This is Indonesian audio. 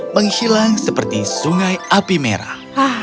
menghilang seperti sungai api merah